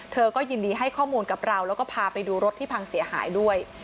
เธอก็ยินดีให้ข้อมูลกับเราแล้วก็พาไปดูรถที่พังเสียหายด้วย